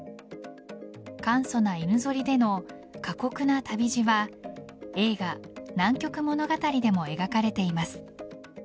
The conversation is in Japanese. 簡素な犬ぞりでの過酷な旅路は映画、南極物語でも描かれています。